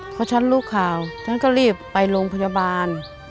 พอฉันรู้ข่าวฉันก็รีบไปโรงพยาบาล